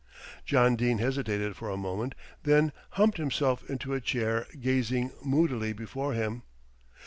John Dene hesitated for a moment, then humped himself into a chair, gazing moodily before him.